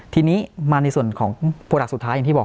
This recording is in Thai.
ทีนี้มาในส่วนของโปรดักต์สุดท้ายอย่างที่บอก